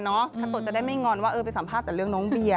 ถ้าตัวจะได้ไม่งอนว่าเออไปสัมภาษณ์แต่เรื่องน้องเบียร์